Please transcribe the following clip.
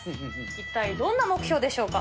一体、どんな目標でしょうか。